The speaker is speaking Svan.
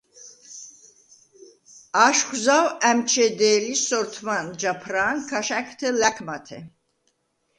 აშხუ̂ ზაუ̂ ა̈მჩედე̄ლი სორთმან ჯაფრა̄ნ ქაშა̈გთე ლა̈ქმათე.